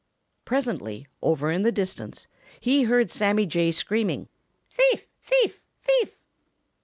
Presently over in the distance he heard Sammy Jay screaming, "Thief, thief, thief!"